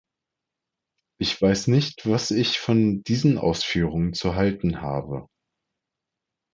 Ich weiß nicht, was ich von diesen Ausführungen zu halten habe.